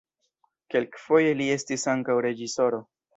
Kelkfoje li estis ankaŭ reĝisoro.